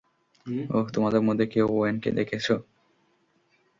ওহ, তোমাদের মধ্যে কেউ ওয়েনকে দেখেছো?